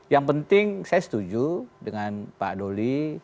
yang penting saya setuju dengan pak doli